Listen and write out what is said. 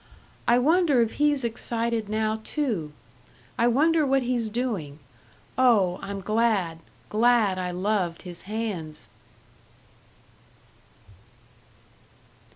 I wonder if he's excited now, too? I wonder what he's doing.... Oh, I'm glad, glad I loved his hands!"